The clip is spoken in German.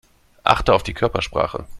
Achte auf die Körpersprache.